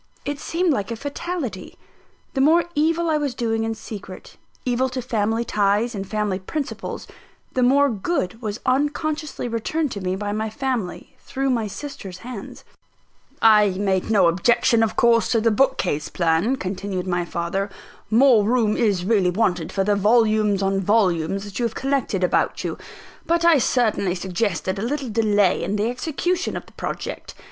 It seemed like a fatality. The more evil I was doing in secret, evil to family ties and family principles, the more good was unconsciously returned to me by my family, through my sister's hands. "I made no objection, of course, to the bookcase plan," continued my father. "More room is really wanted for the volumes on volumes that you have collected about you; but I certainly suggested a little delay in the execution of the project.